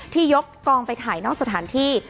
ยกกองไปถ่ายนอกสถานที่